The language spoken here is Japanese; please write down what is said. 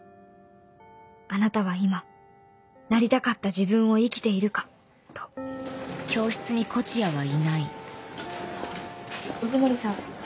「あなたは今なりたかった自分を生きているか」と鵜久森さん